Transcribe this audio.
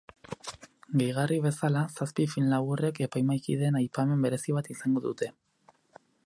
Gehigarri bezala, zazpi film laburrek, epaimahikideen aipamen berezi bat izango dute.